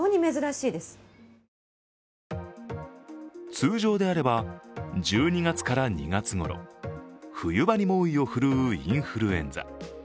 通常であれば１２月から２月ごろ、冬場に猛威を振るうインフルエンザ。